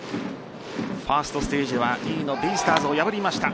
ファーストステージは２位のベイスターズを破りました。